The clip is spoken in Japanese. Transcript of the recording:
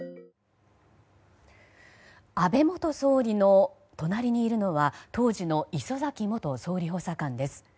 安倍元総理の隣にいるのは当時の礒崎元総理補佐官です。